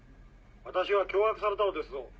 私は脅迫されたのですぞ。